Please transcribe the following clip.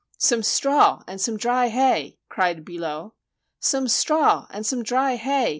"Some straw and some dry hay!" cried Billot. "Some straw and some dry hay!"